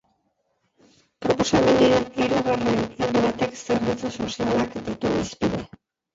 Proposamenen hirugarren ildo batek zerbitzu sozialak ditu hizpide.